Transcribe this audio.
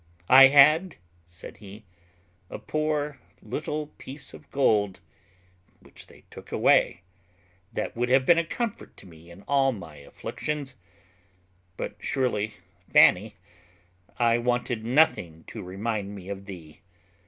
"I had," said he, "a poor little piece of gold, which they took away, that would have been a comfort to me in all my afflictions; but surely, Fanny, I want nothing to remind me of thee.